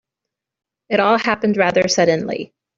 It all happened rather suddenly.